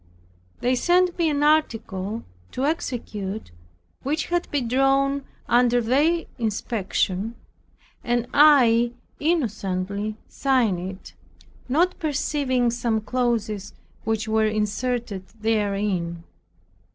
They sent me an article to execute, which had been drawn under their inspection, and I innocently signed it, not perceiving some clauses which were inserted therein.